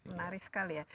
menarik sekali ya